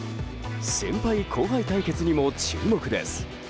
先輩・後輩対決にも注目です。